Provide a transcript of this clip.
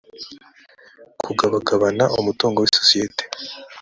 kugabagabana umutungo w isosiyete